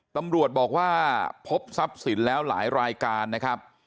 ตำรวจบอกว่าพบทรัพย์สินแล้วหลายรายการนะครับ